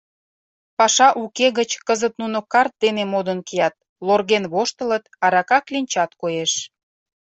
Паша уке гыч кызыт нуно карт дене модын кият, лорген воштылыт, арака кленчат коеш.